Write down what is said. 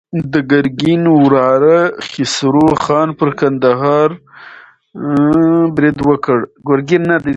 د ګرګین وراره کیخسرو خان پر کندهار برید وکړ.